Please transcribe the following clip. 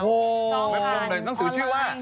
เว็บร่มเลยนังสือชื่อว่า